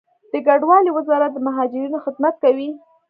د کډوالو وزارت د مهاجرینو خدمت کوي